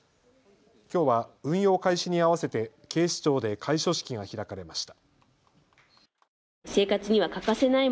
きょうは運用開始に合わせて警視庁で開所式が開かれました。